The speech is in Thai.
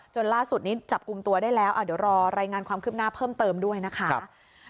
ล่าสุดนี้จับกลุ่มตัวได้แล้วเดี๋ยวรอรายงานความคืบหน้าเพิ่มเติมด้วยนะคะ